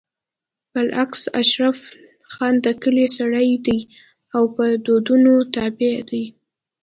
بالعكس اشرف خان د کلي سړی دی او په دودونو تابع دی